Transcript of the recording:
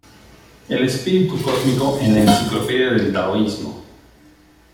El "Espíritu cósmico" en la enciclopedia del taoísmo.